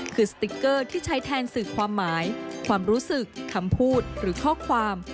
คือสติ๊กเกอร์ที่ใช้แทนสื่อความหมายความรู้สึกคำพูดหรือข้อความ